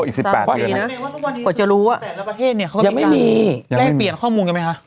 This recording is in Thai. อีกปีทั้งปีหรือ